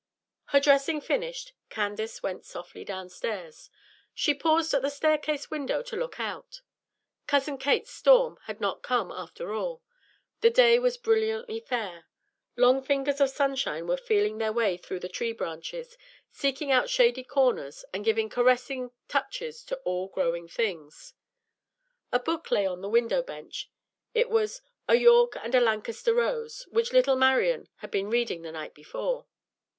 Her dressing finished, Candace went softly downstairs. She paused at the staircase window to look out. Cousin Kate's storm had not come after all. The day was brilliantly fair. Long fingers of sunshine were feeling their way through the tree branches, seeking out shady corners and giving caressing touches to all growing things. A book lay on the window bench. It was "A York and a Lancaster Rose," which little Marian had been reading the night before.